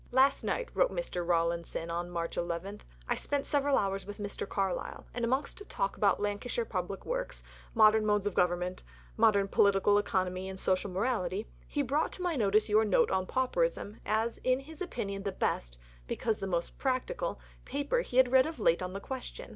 "Last night," wrote Mr. Rawlinson (March 11), "I spent several hours with Mr. Carlyle, and amongst talk about Lancashire Public Works, modern modes of government, modern Political Economy and Social Morality, he brought to my notice your 'Note on Pauperism' as in his opinion the best, because the most practical, paper he had read of late on the question.